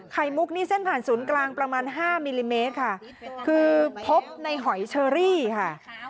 มุกนี่เส้นผ่านศูนย์กลางประมาณห้ามิลลิเมตรค่ะคือพบในหอยเชอรี่ค่ะ